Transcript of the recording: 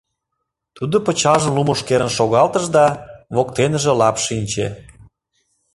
Тудо пычалжым лумыш керын шогалтыш да воктеныже лап шинче.